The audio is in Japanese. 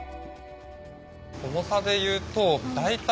重さでいうと大体。